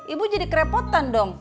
ibu jadi kerepotan dong